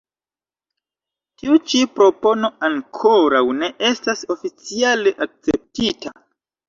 Tiu ĉi propono ankoraŭ ne estas oficiale akceptita.